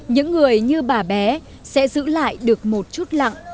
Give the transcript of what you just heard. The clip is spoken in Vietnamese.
những người như bà bé sẽ giữ lại được một chút lặng